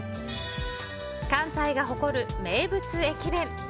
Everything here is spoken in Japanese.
関西が誇る名物駅弁。